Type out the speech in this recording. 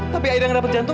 tapi aida yang dapat jantung